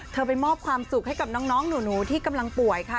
ไปมอบความสุขให้กับน้องหนูที่กำลังป่วยค่ะ